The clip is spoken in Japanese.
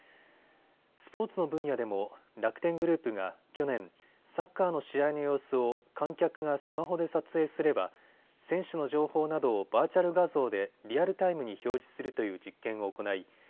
スポーツの分野でも楽天グループが去年、サッカーの試合の様子を観客がスマホで撮影すれば選手の情報などをバーチャル画像でリアルタイムに表示するという実験を行い